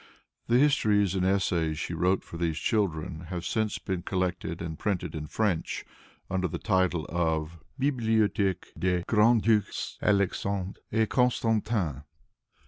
The histories and essays she wrote for these children have since been collected and printed in French, under the title of "Bibliotheque des grands ducs Alexandre et Constantin."